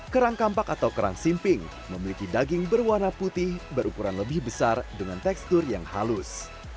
kerang kampak atau kerang simping memiliki daging berwarna putih berukuran lebih besar dengan tekstur yang halus